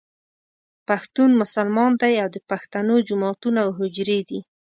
پښتون مسلمان دی او د پښتنو جوماتونه او حجرې دي.